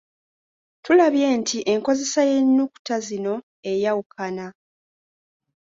Tulabye nti enkozesa y'ennyukuta zino eyawukana.